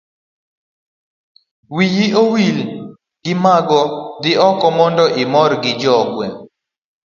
wiyi owil gi mago dhi oko mondo imor gi jo gweng'